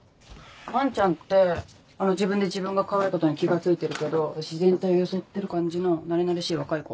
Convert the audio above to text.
アンちゃんってあの自分で自分がかわいいことに気が付いてるけど自然体装ってる感じのなれなれしい若い子？